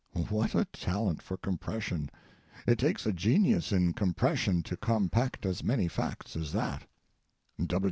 What a talent for compression! It takes a genius in compression to compact as many facts as that.